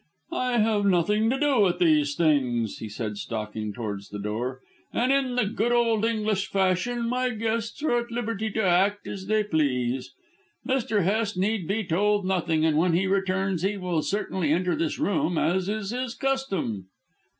"I have nothing to do with these things," he said, stalking towards the door, "and, in the good old English fashion, my guests are at liberty to act as they please. Mr. Hest need be told nothing, and when he returns he will certainly enter this room, as is his custom."